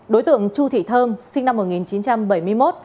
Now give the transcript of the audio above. đối tượng chu thị thơm sinh năm một nghìn chín trăm bảy mươi một